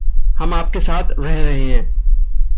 हम आपके साथ रह रहे है।